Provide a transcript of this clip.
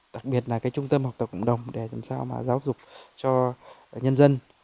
đặc biệt là cái trung tâm học tập cộng đồng để làm sao mà giáo dục cho nhân dân